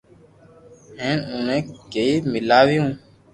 ھين اوني گيي ميلاويو